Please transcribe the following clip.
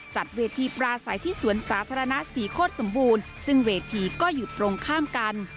จัดเวทีปราศัยที่สวนสาธารณะศรีโคตรสมบูรณ์ซึ่งเวทีก็อยู่ตรงข้ามกัน